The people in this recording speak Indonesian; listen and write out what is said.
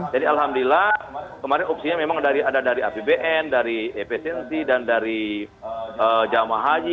jadi alhamdulillah kemarin opsinya memang ada dari apbn dari epsnz dan dari jamaah haji